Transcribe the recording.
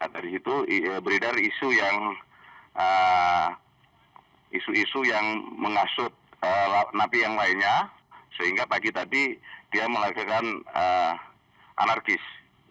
dari itu berdarah isu yang mengasut napi yang lainnya sehingga pagi tadi dia menghasilkan anarkis